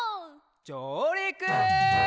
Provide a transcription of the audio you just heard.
じょうりく！